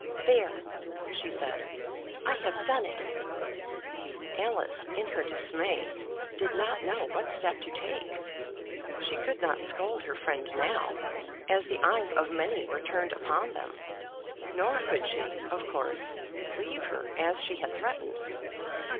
"There," she said, "I have done it." Alice, in her dismay, did not know what step to take. She could not scold her friend now, as the eyes of many were turned upon them, nor could she, of course, leave her, as she had threatened.